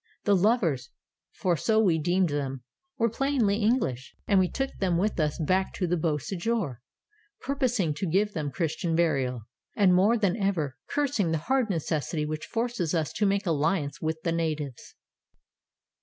The lovers, for so we deemed them, were plainly English, and we took them with us back to the Beauséjour, purposing to give them Christian burial, and more than ever cursing the hard necessity which forces us to make alliance with the natives."